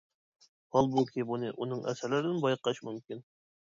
ھالبۇكى بۇنى ئۇنىڭ ئەسەرلىرىدىن بايقاش مۇمكىن.